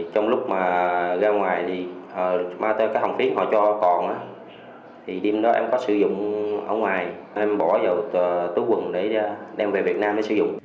trong lúc mà ra ngoài thì mang theo cái hồng phiến họ cho còn thì đêm đó em có sử dụng ở ngoài em bỏ vào túi quần để đem về việt nam để sử dụng